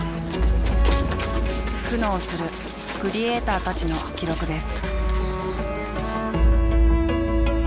苦悩するクリエーターたちの記録です。